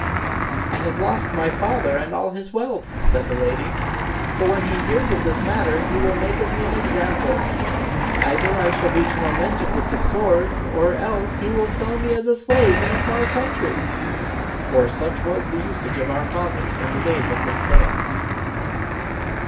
"I have lost my father and all his wealth," said the lady, "for when he hears of this matter he will make of me an example. Either I shall be tormented with the sword, or else he will sell me as a slave in a far country." (For such was the usage of our fathers in the days of this tale).